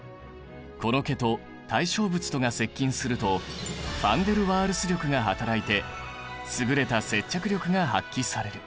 この毛と対象物とが接近するとファンデルワールス力が働いて優れた接着力が発揮される。